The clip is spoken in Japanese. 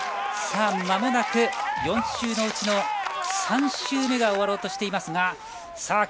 まもなく４周のうちの３周目が終わろうとしています。